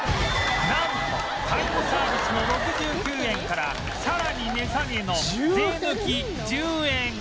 なんとタイムサービスの６９円からさらに値下げの税抜き１０円